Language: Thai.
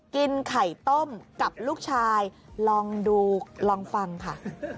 กินไข่ต้มกับลูกชายลองดูลองฟังค่ะ